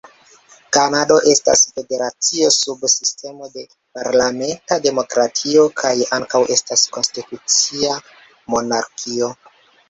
Kanado estas federacio sub sistemo de parlamenta demokratio, kaj ankaŭ estas konstitucia monarkio.